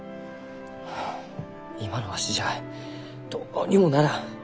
はあ今のわしじゃどうにもならん。